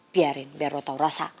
biarin biar lo tau rasa